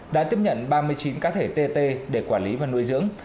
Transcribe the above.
đã tiếp nhận ba mươi chín cá thể tt để quản lý và nuôi dưỡng